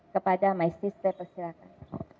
kepada maistis saya persyarahkan